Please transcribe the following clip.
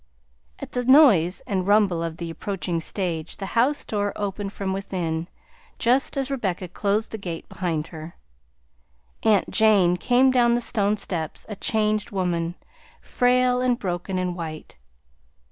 At the noise and rumble of the approaching stage the house door opened from within, just as Rebecca closed the gate behind her. Aunt Jane came down the stone steps, a changed woman, frail and broken and white.